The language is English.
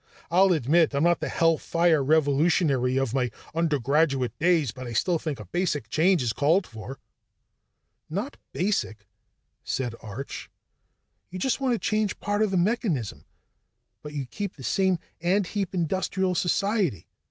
"I'll admit I'm not the hell fire revolutionary of my undergraduate days, but I still think a basic change is called for." "Not basic," said Arch. "You just want to change part of the mechanism. But you'd keep the same ant heap industrial society.